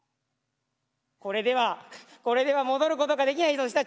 これではこれでは戻ることができないぞ常陸。